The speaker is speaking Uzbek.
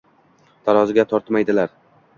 taroziga tortmaydilar.